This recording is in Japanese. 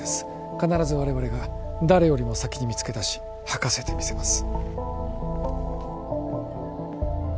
必ず我々が誰よりも先に見つけ出し吐かせてみせます